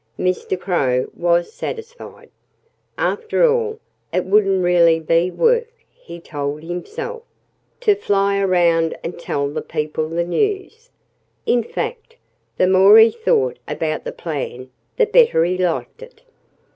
Mr. Crow was satisfied. After all, it wouldn't really be work, he told himself, to fly around and tell the people the news. In fact, the more he thought about the plan the better he liked it.